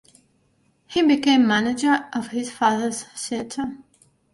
He became manager of his father's theatre.